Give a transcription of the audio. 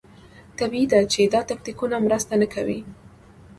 طبیعي ده چې دا تکتیکونه مرسته نه کوي.